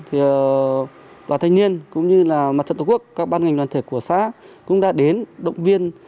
thì tòa thành niên cũng như mặt trận tổ quốc các ban ngành đoàn thể của xã cũng đã đến động viên